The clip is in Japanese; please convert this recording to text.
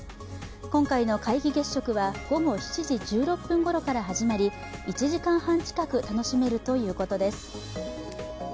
今回の皆既月食は午後７時１６分ごろから始まり１時間半近く楽しめるということです。